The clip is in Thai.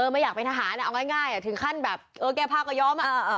ไม่อยากเป็นทหารเอาง่ายถึงขั้นแบบเออแก้ผ้าก็ยอม